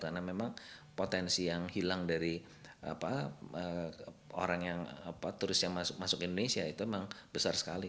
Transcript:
karena memang potensi yang hilang dari orang yang turis yang masuk ke indonesia itu memang besar sekali